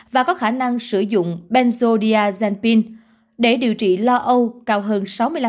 và có khả năng sử dụng benzodiazepine để điều trị lo âu cao hơn sáu mươi năm